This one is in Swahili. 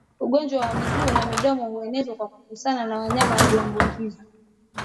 Ugonjwa wa miguu na midomo huenezwa kwa kugusana na wanyama walioambukizwa